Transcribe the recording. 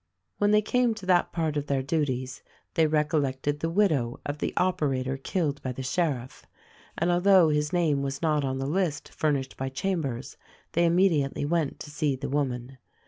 When they came to that part of their duties they recol lected the widow of the operator killed by the sheriff, and although his name was not on the list furnished by Chambers they immediately went to see the woman.